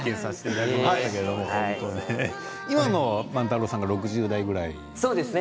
今の万太郎さんが６０代ぐらいですか。